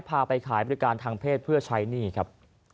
พาไปขายบริการทางเพศเพื่อใช้หนี้ครับ